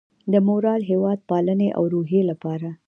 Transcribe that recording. د مورال، هیواد پالنې او روحیې لپاره